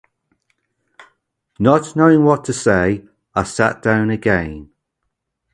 Not knowing what to say, I sat down again.